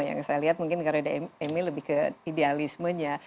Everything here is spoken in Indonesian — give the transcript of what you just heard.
yang saya lihat mungkin karena emil lebih ke idealismenya